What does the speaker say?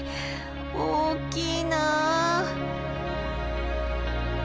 大きいなぁ。